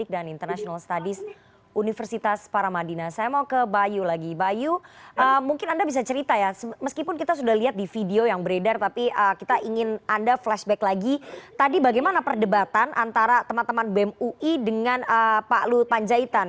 di video yang beredar tapi kita ingin anda flashback lagi tadi bagaimana perdebatan antara teman teman bem ui dengan pak luhut tanjaitan